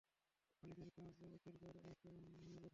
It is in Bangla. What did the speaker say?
খালিদ এর আজ একের পর এক মনে পড়ছিল।